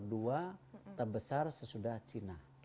dua terbesar sesudah cina